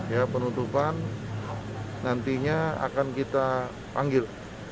ya penutupan nantinya akan kita panggil